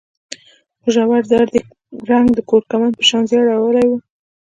خو ژور درد يې رنګ د کورکمند په شان ژېړ اړولی و.